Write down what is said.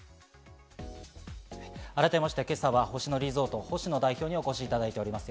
改めまして今朝は星野リゾート・星野代表にお越しいただいております。